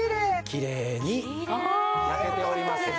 きれいに焼けております。